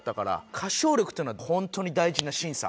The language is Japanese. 歌唱力っていうのはホントに大事な審査。